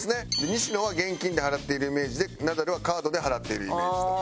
西野は現金で払っているイメージでナダルはカードで払っているイメージだと。